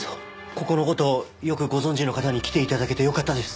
ここの事よくご存じの方に来て頂けてよかったです。